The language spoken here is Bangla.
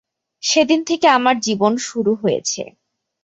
সেদিন থেকে আমার জীবন শুরু হয়েছে।